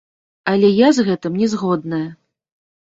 Але я з гэтым не згодная.